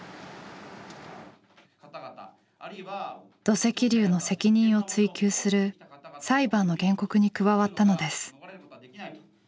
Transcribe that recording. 土石流の責任を追及する裁判の原告に加わったのです。